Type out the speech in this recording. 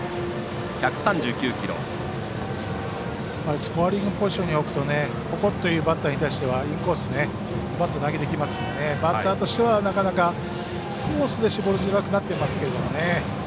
スコアリングポジションに対してはここというバットに対してはインコースに投げてきますのでバッターとしてはなかなかコースで絞りづらくなっていますよね。